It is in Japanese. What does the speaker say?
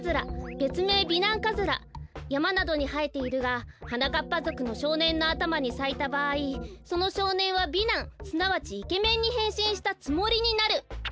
べつめい美男カズラやまなどにはえているがはなかっぱぞくのしょうねんのあたまにさいたばあいそのしょうねんは美男すなわちイケメンにへんしんしたつもりになる。